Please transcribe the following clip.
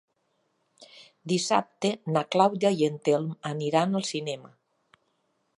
Dissabte na Clàudia i en Telm aniran al cinema.